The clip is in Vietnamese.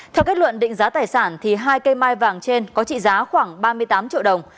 theo kết luận định giá tài sản hai cây mai vàng trên có trị giá khoảng ba mươi tám triệu đồng